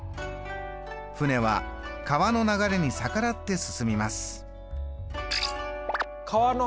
舟は川の流れに逆らって進みます。